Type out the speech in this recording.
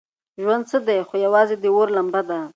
ژوند څه دی خو یوازې د اور لمبه ده.